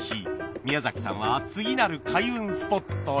宮崎さんは次なる開運スポットへ